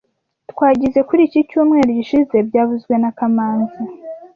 Twagizoe kuri iki cyumweru gishize byavuzwe na kamanzi